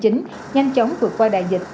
nhanh chóng vượt qua đại dịch